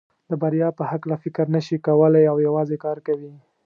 د بریا په هکله فکر نشي کولای او یوازې کار کوي.